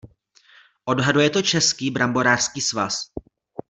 Odhaduje to Český bramborářský svaz.